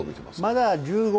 まだ１５